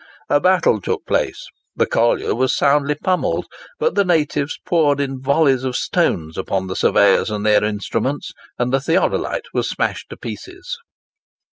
A battle took place, the collier was soundly pummelled, but the natives poured in volleys of stones upon the surveyors and their instruments, and the theodolite was smashed to pieces.